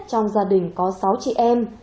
trong gia đình có sáu chị em